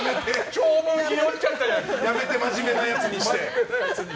やめて真面目なやつにして。